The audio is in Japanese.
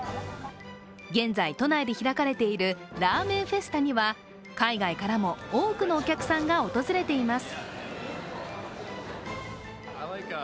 現在都内で開かれているラーメンフェスタには海外からも多くのお客さんが訪れています。